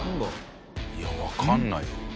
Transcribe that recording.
いやわかんないわ。